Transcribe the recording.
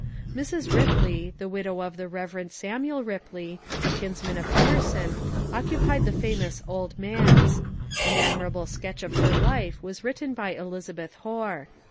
Mrs. Ripley, the widow of the Rev. Samuel Ripley, a kins man of Emerson, occupied the famous '^Old Manse." An admirable sketch of her life was written by Elizabeth Hoar.